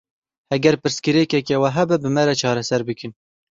Eger pirsgirêkeke we hebe bi me re çareser bikin.